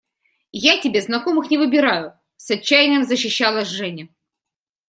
– Я тебе знакомых не выбираю, – с отчаянием защищалась Женя.